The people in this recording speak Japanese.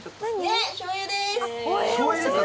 しょう油ですか？